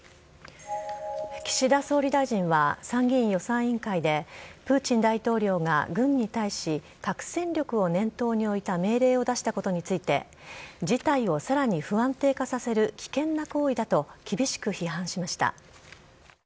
岸田総理大臣は、参議院予算委員会で、プーチン大統領が軍に対し、核戦力を念頭に置いた命令を出したことについて、事態をさらに不安定化させる危険な行為だと厳しく批判しました。